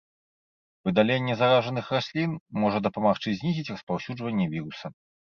Выдаленне заражаных раслін можа дапамагчы знізіць распаўсюджванне віруса.